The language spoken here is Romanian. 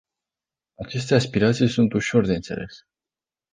Aceste aspirații sunt ușor de înțeles.